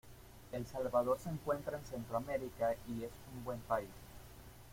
El Salvador se encuentra en centromerica y es un buen país.